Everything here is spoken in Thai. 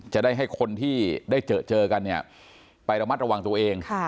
จะได้ให้คนที่ได้เจอกันเนี่ยไประมัดระวังตัวเอง